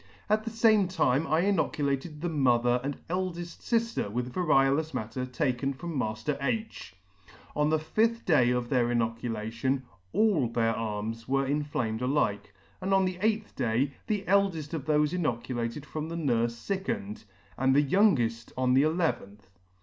At the fame time I inoculated the mother and eldeft lifter with variolous matter taken from Mailer H . On the fifth day of their inoculation, all their arms were in flamed alike; and on the eighth day, the eldeft of thofe inocu lated from the nurfe fickened, and the youngeft on the eleventh.